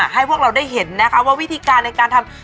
ให้พวกเราได้เห็นนะคะว่าวิธีการในการทำ